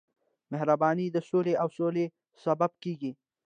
مهرباني د سولې او سولې سبب کېږي.